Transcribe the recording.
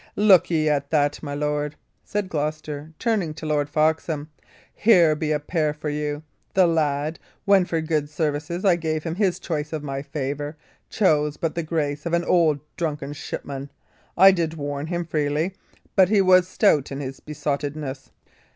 "Look ye at that, my lord," said Gloucester, turning to Lord Foxham. "Here be a pair for you. The lad, when for good services I gave him his choice of my favour, chose but the grace of an old, drunken shipman. I did warn him freely, but he was stout in his besottedness.